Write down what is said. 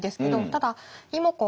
ただ妹子